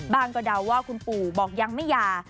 ก็เดาว่าคุณปู่บอกยังไม่หย่า